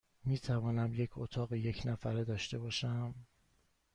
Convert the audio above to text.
می توانم یک اتاق یک نفره داشته باشم؟